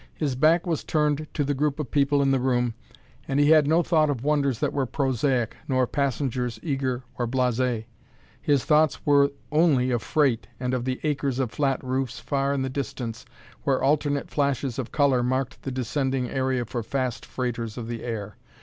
His back was turned to the group of people in the room, and he had no thought of wonders that were prosaic, nor of passengers, eager or blase; his thoughts were only of freight and of the acres of flat roofs far in the distance where alternate flashes of color marked the descending area for fast freighters of the air.